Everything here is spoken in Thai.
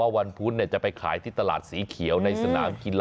อารมณ์ของแม่ค้าอารมณ์การเสิรฟนั่งอยู่ตรงกลาง